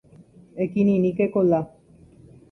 Ekirirĩke Kola